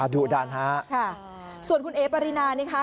ดุดันฮะค่ะส่วนคุณเอ๋ปรินานี่ค่ะ